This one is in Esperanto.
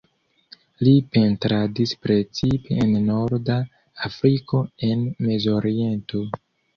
Li pentradis precipe en norda Afriko en Mezoriento.